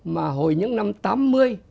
mà hồi những năm tám mươi